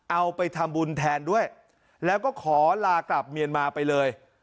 เอาไปทำบุญแทนด้วยแล้วก็ขอลากลับเมียนมาไปเลย